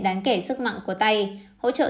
đáng kể sức mặn của tay hỗ trợ